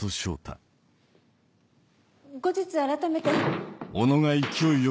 後日改めて。